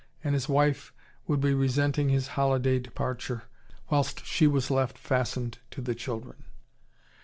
And his wife would be resenting his holiday departure, whilst she was left fastened to the children.